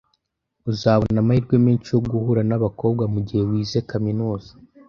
Uzabona amahirwe menshi yo guhura nabakobwa mugihe wize kaminuza.